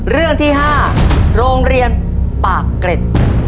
เรื่องที่๕โรงเรียนปากเกร็ด